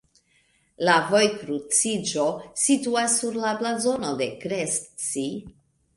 La vojkruciĝo situas sur la blazono de Krestci.